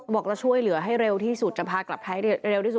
บอกจะช่วยเหลือให้เร็วที่สุดจะพากลับไทยเร็วที่สุด